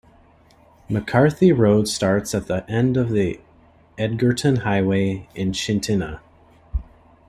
McCarthy Road starts at the end of the Edgerton Highway in Chitina.